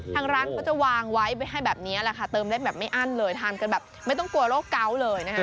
ทางร้านเขาจะวางไว้ให้แบบนี้แหละค่ะเติมได้แบบไม่อั้นเลยทานกันแบบไม่ต้องกลัวโรคเกาะเลยนะคะ